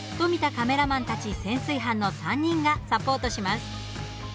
カメラマンたち潜水班の３人がサポートします。